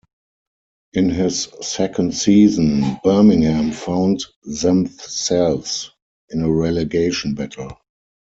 In his second season, Birmingham found themselves in a relegation battle.